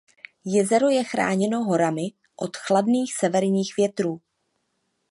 Jezero je chráněno horami od chladných severních větrů.